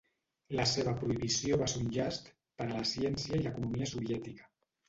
La seva prohibició va ser un llast per a la ciència i l'economia soviètica.